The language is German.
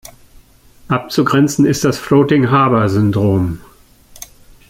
Abzugrenzen ist das Floating-Harbor-Syndrom.